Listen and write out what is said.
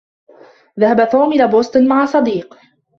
ذهب توم إلى بوسطن مع صديق.